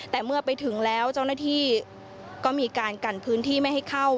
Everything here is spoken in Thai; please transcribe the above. แต่เมื่อไปถึงแล้วเจ้าหน้าที่ก็มีการกันพื้นที่ไม่ให้เข้า